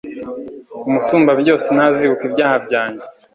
umusumbabyose ntazibuka ibyaha byanjye